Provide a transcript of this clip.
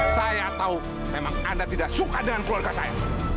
saya tahu memang anda tidak suka dengan keluarga saya